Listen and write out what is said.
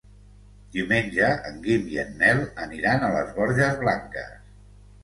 Diumenge en Guim i en Nel aniran a les Borges Blanques.